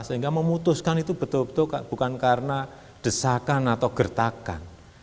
sehingga memutuskan itu betul betul bukan karena desakan atau gertakan